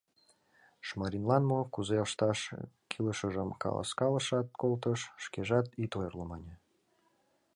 Шмаринлан мо, кузе ышташ кӱлешыжым каласкалышат, колтыш, «Шкежат ит ойырло», – мане.